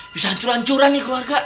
bisa hancur hancuran nih keluarga